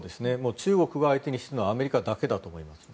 中国が相手にするのはアメリカだけだと思います。